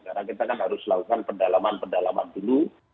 karena kita kan harus lakukan pendalaman pendalaman dulu